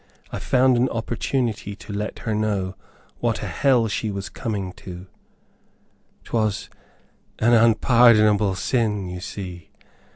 I found an opportunity to let her know what a hell she was coming to. 'Twas an unpardonable sin, you see.